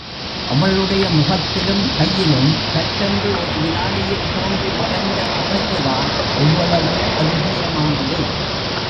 அவளுடைய முகத்திலும், கையிலும் சட்டென்று ஒரு விநாடியில் தோன்றி மறைந்த அசைவுதான் எவ்வளவு அதிசயமானது!